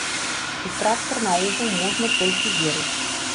У трактар наогул можна толькі верыць.